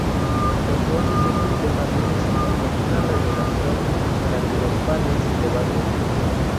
Entonces este tema viene siendo como una revelación, para que los fanes se levanten.